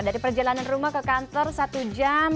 dari perjalanan rumah ke kantor satu jam